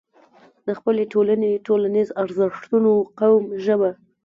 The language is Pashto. د خپلې ټولنې، ټولنيز ارزښتونه، قوم، ژبه